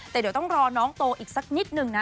แต่เดี๋ยวต้องรอน้องโตอีกสักนิดนึงนะ